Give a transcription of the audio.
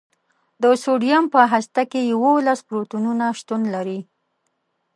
د سوډیم په هسته کې یوولس پروتونونه شتون لري.